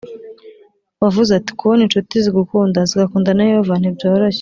Wavuze ati kubona incuti zigukunda zigakunda na yehova ntibyoroshye